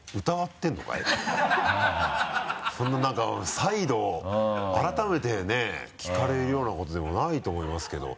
そんな何か再度改めてね聞かれるようなことでもないと思いますけど。